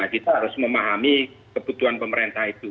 kita harus memahami kebutuhan pemerintah itu